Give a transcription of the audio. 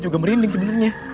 juga merinding sebenernya